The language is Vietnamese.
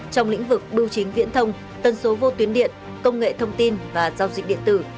trong lĩnh vực bưu chính viễn thông tân số vô tuyến điện công nghệ thông tin và giao dịch điện tử